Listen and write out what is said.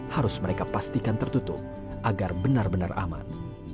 harus mereka pastikan tertutup agar benar benar aman